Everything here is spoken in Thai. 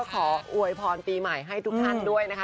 ขออวยพรปีใหม่ให้ทุกท่านด้วยนะคะ